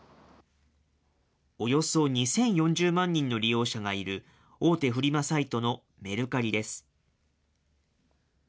およそ２０４０万人の利用者がいる大手フリマサイトのメルカリです。